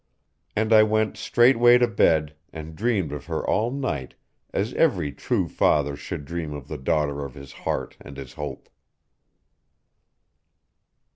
And I went straightway to bed, and dreamed of her all night as every true father should dream of the daughter of his heart and his hope.